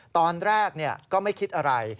ตอนแรกก็ไม่คิดอะไร